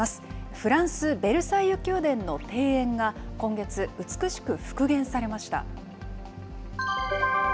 フランス・ベルサイユ宮殿の庭園が今月、美しく復元されました。